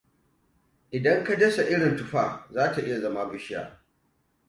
Idan ka dasa irin tufa za ta iya zama bishiya.